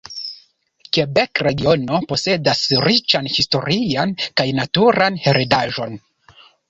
Kebek-regiono posedas riĉan historian kaj naturan heredaĵon.